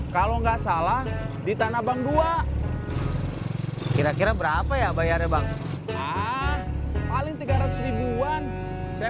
kalau nggak salah di tanah abang dua kira kira berapa ya bayarnya bang ah paling tiga ratus ribuan saya